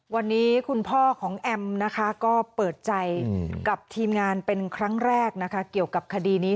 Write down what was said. วันนี้คุณพ่อของแอมนะคะก็เปิดใจกับทีมงานเป็นครั้งแรกนะคะเกี่ยวกับคดีนี้